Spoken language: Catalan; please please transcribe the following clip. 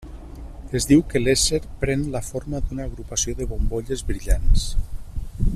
Es diu que l'ésser pren la forma d'una agrupació de bombolles brillants.